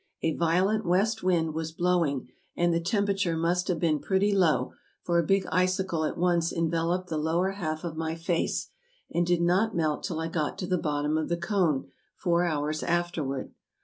A violent west wind was blowing, and the temperature must have been pretty low, for a big icicle at once enveloped the lower half of my face, and did not melt till I got to the bottom of the cone four hours afterward.